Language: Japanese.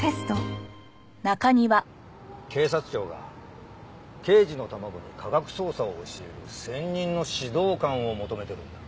警察庁が刑事の卵に科学捜査を教える専任の指導官を求めているんだ。